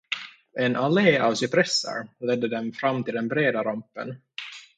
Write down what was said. En allé av cypresser ledde dem fram till den breda rampen.